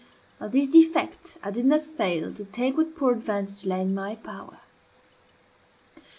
Of this defect I did not fail to take what poor advantage lay in my power.